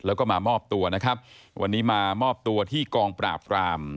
แล้วก็มามอบตัวนะครับวันนี้มามอบตัวที่กองปราบกราม